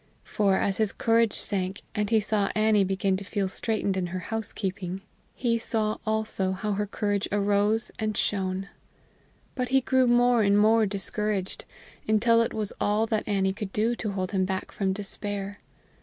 For, as his courage sank, and he saw Annie began to feel straitened in her housekeeping, he saw also how her courage arose and shone. But he grew more and more discouraged, until it was all that Annie could do to hold him back from despair.